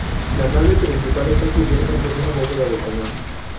La nave principal está cubierta por una bóveda de cañón.